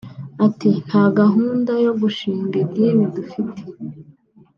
Ati “Nta gahunda yo gushing idini dufite